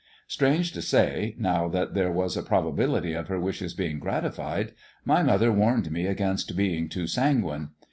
Strange to say, now that there was a probability of her wishes being gratified, my mother warned me against being too sanguine.